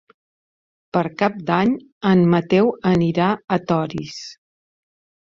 Per Cap d'Any en Mateu anirà a Torís.